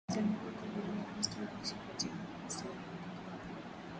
Sahara Kwa jumla Wakristo wanaishi kati ya wafuasi wa dini nyingine